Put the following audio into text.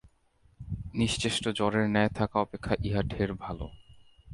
নিশ্চেষ্ট জড়ের ন্যায় থাকা অপেক্ষা ইহা ঢের ভাল।